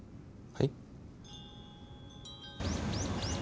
はい？